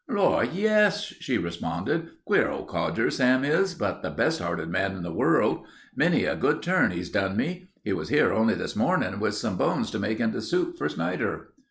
"Lor', yes," she responded. "Queer old codger, Sam is, but the best hearted man in the world. Many a good turn he's done me. He was here only this mornin' with some bones to make into soup for Snider."